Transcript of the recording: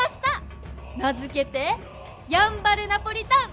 名付けてやんばるナポリタン！